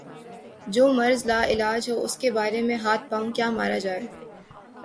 جو مرض لا علاج ہو اس کے بارے میں ہاتھ پاؤں کیا مارا جائے۔